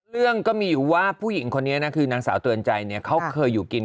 เรื่องก็มีอยู่ว่าผู้หญิงคนนี้นะคือนางสาวเตือนใจเนี่ยเขาเคยอยู่กิน